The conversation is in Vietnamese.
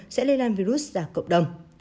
sẽ lây lan virus ra cộng đồng